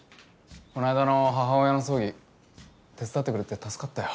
この間の母親の葬儀手伝ってくれて助かったよ。